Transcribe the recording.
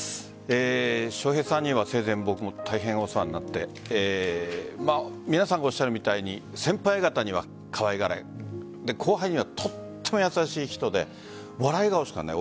笑瓶さんには生前僕も大変お世話になって皆さんがおっしゃるみたいに先輩方にはかわいがられ後輩にはとても優しい人で笑い顔しかない。